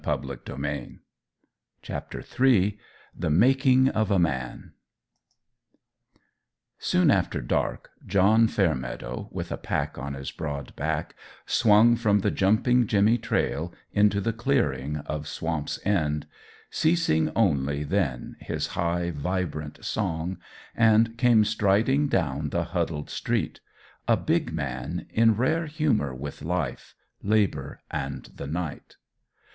THE MAKING OF A MAN Soon after dark, John Fairmeadow, with a pack on his broad back, swung from the Jumping Jimmy trail into the clearing of Swamp's End, ceasing only then his high, vibrant song, and came striding down the huddled street, a big man in rare humour with life, labour and the night.